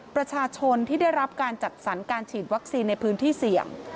ประชาชนที่ได้รับการจัดสรรการฉีดวัคซีนในพื้นที่เสี่ยง